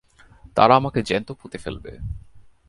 তারা আমাকে জ্যান্ত পুঁতে ফেলবে!